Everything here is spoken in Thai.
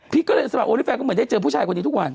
พี่ก็เลยสำหรับโอลี่แฟนก็เหมือนได้เจอผู้ชายกว่านี้ทุกวัน